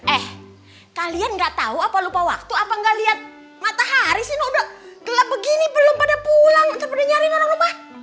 eh kalian ga tau apa lupa waktu apa ga liat matahari sih udah gelap begini belum pada pulang ntar pada nyari orang lupa